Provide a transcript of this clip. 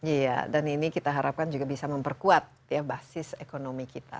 iya dan ini kita harapkan juga bisa memperkuat ya basis ekonomi kita